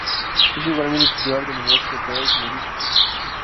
Es igualmente titular de numerosos doctorados honoríficos.